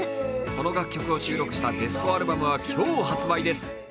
この楽曲を収録したベストアルバムは今日発売です。